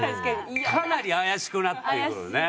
かなり怪しくなってくるね。